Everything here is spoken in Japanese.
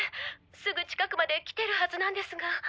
すぐ近くまで来てるはずなんですが。